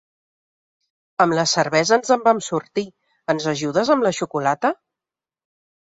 Amb la cervesa ens en vam sortir, ens ajudes amb la xocolata?